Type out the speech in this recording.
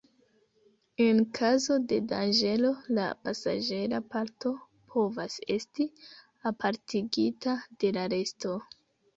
En kazo de danĝero la pasaĝera parto povas esti apartigita de la resto.